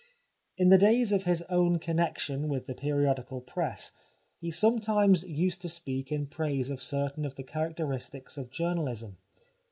In the days of his own connection with the periodical press he sometimes used to speak in praise of certain of the characteristics of journa lism.